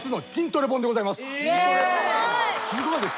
すごいです。